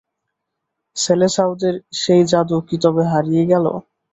সেলেসাওদের সেই জাদু কি তবে হারিয়ে গেল?